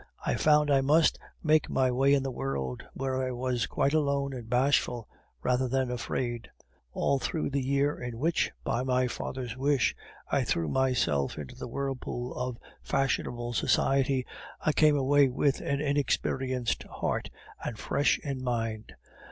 I found I must make my way in the world, where I was quite alone, and bashful, rather than afraid. "All through the year in which, by my father's wish, I threw myself into the whirlpool of fashionable society, I came away with an inexperienced heart, and fresh in mind.